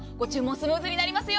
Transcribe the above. スムーズになりますよ。